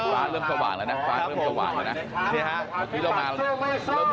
เวลาเริ่มสว่างแล้วนะเริ่มสว่างแล้วนะ